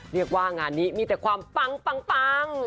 เรียกว่างานนี้มีแต่ความปัง